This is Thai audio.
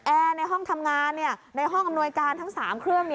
ในห้องทำงานในห้องอำนวยการทั้ง๓เครื่อง